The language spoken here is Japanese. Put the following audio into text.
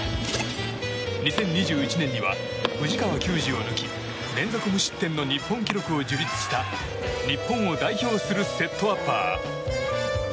２０２１年には藤川球児を抜き連続無失点の日本記録を樹立した日本を代表するセットアッパー。